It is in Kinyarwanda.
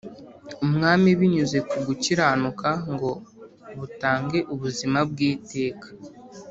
umwami binyuze ku gukiranuka, ngo butange ubuzima bw’iteka